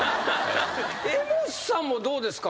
江本さんもどうですか？